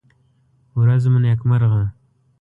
ورڅ مو نېکمرغه!